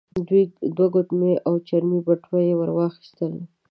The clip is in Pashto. دوې ګوتمۍ او چرمې بټوه يې ور واخيستل.